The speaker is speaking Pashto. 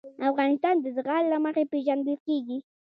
افغانستان د زغال له مخې پېژندل کېږي.